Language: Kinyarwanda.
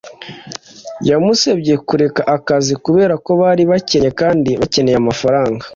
Yamusabye kureka akazi kubera ko bari bakennye kandi bakeneye amafaranga